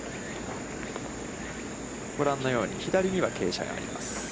ご覧のように左には傾斜があります。